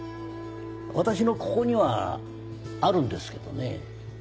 私のここにはあるんですけどねぇ。